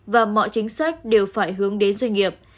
và mọi chính sách đều phải hướng đến doanh nghiệp